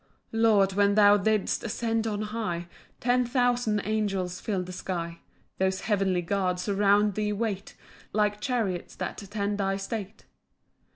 1 Lord, when thou didst ascend on high, Ten thousand angels fill'd the sky; Those heavenly guards around thee wait, Like chariots that attend thy state.